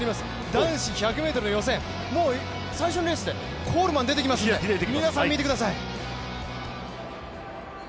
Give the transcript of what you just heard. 男子１００ｍの予選、最初のレースでコールマン出てきますので、皆さん見てください。